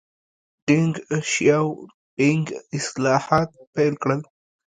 ډینګ شیاؤ پینګ اصلاحات پیل کړل.